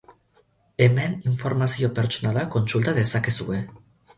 Hemen informazio pertsonala kontsulta dezakezue.